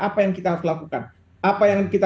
apa yang kita harus lakukan apa yang kita